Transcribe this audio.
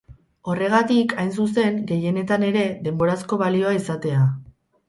Horregatik, hain zuzen, gehienetan ere, denborazko balioa izatea.